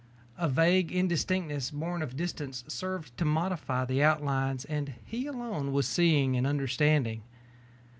A vague indistinctness borne of distance served to modify the outlines and he alone was seeing and understanding.